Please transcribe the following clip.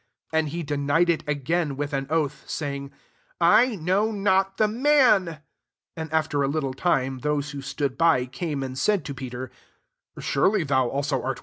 72 And he denied it again, with an oath, saying, "I know not the man," T3 And after a little Hme those who stood by, came and said to Petery " Surely thou I also art o